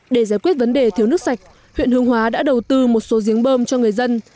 để giải quyết vấn đề thiếu nước sạch huyện hương hóa đã đầu tư một số giếng bơm cho người dân